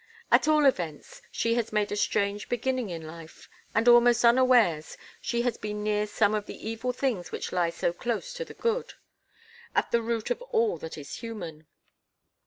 At all events, she has made a strange beginning in life, and almost unawares she has been near some of the evil things which lie so close to the good, at the root of all that is human.